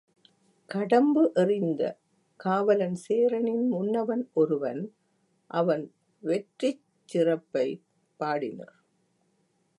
கடம்பு எறிந்த காவலன் சேரனின் முன்னவன் ஒருவன் அவன் வெற்றிச் சிறப்பைப் பாடினர்.